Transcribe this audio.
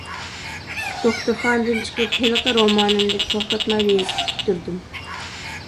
دوختۇرخانىدىن چىقىپ، ھېلىقى رومانىمنى توختاتمايلا يېزىپ پۈتتۈردۈم.